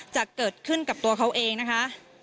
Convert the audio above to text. จะเกิดขึ้นกับตัวเขาเองนะคะ